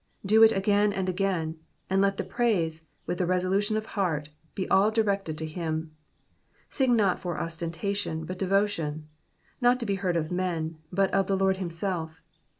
Do it again and again ; and let the praise, with resolution of heart , be all directed to him. Sing not for ostentation, but devotion ; not to be heard of men, but of the Lord himself.